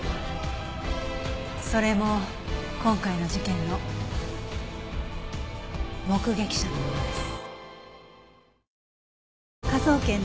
それも今回の事件の目撃者のものです。